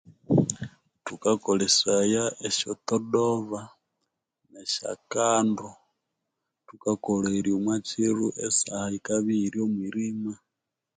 Thukakolesaya esyottodoba esyakando thukakolerya omwa kiro esaha yikabya eyiri omwirima